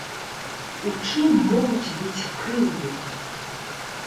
У чым могуць быць крыўды?